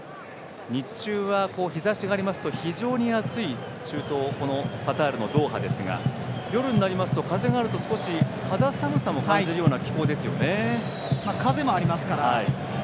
日中は日差しがありますと非常に暑い中東カタールのドーハですが夜になりますと風がありますと肌寒さも感じるような風もありますから。